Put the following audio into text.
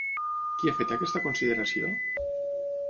Qui ha fet aquesta consideració?